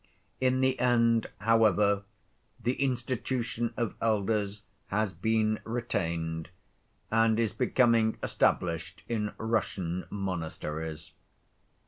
In the end, however, the institution of elders has been retained and is becoming established in Russian monasteries.